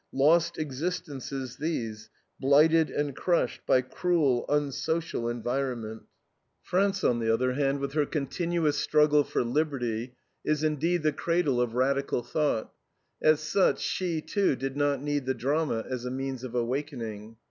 Lost existences these, blighted and crushed by cruel, unsocial environment. France, on the other hand, with her continuous struggle for liberty, is indeed the cradle of radical thought; as such she, too, did not need the drama as a means of awakening.